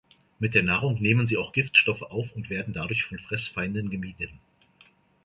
Mit der Nahrung nehmen sie auch Giftstoffe auf und werden dadurch von Fressfeinden gemieden.